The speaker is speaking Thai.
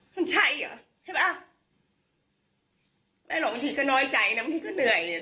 มันใช่เหรอใช่ป่ะแม่หรอกบางทีก็น้อยใจนะบางทีก็เหนื่อยเลย